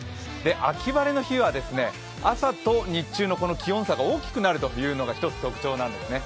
秋晴れの日は朝と日中の気温差が大きくなるというのが一つ特徴なんですね。